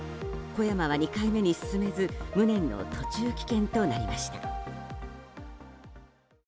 小山は２回目に進めず無念の途中棄権となりました。